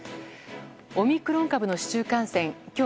オミクロン株の市中感染今日